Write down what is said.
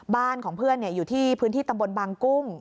บ้านของเพื่อนอยู่ที่พื้นที่ตำบลบางกุ้ง